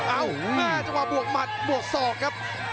อ้าวอ้าวจะมาบวกมัดบวกศอกครับ